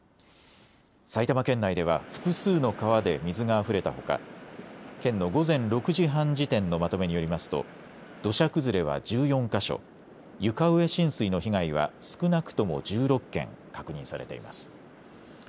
埼玉県内では複数の川で水があふれたほか県の午前６時半時点のまとめによりますと土砂崩れは１４か所、床上浸水の被害は少なくとも１６件、確認されています。